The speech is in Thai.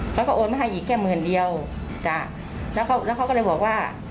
เขาก็โอนให้อีกแค่หมื่นเดียวแล้วเขาก็เลยบอกว่า